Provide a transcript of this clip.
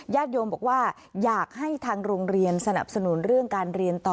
โยมบอกว่าอยากให้ทางโรงเรียนสนับสนุนเรื่องการเรียนต่อ